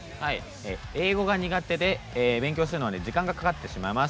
「英語が苦手で勉強をするまでに時間がかかってしまいます。